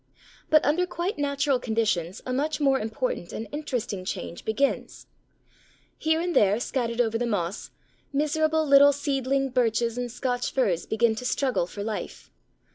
But under quite natural conditions a much more important and interesting change begins. Here and there scattered over the moss, miserable little seedling Birches and Scotch Firs begin to struggle for life.